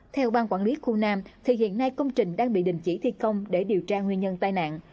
theo ban quản lý khu nam thì hiện nay công trình đang bị đình chỉ thi công để điều tra nguyên nhân tai nạn